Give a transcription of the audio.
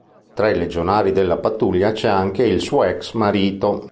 Tra i legionari della pattuglia c'è anche il suo ex-marito.